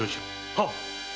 はっ！